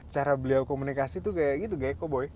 cara beliau komunikasi tuh kayak gitu gai koboi